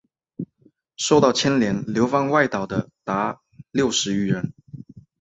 受到牵连流放外岛的达六十余人。